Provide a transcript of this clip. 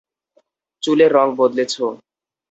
চুলের রং বদলেছ!